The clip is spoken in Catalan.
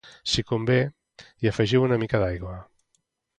si convé, hi afegiu una mica d'aigua